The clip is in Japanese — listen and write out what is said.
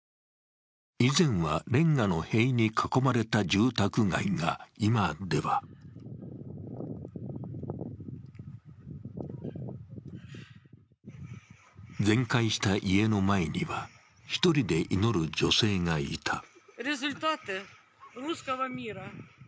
以前は、れんがの塀に囲まれた住宅街が今では全壊した家の前には、１人で祈る女性がいた。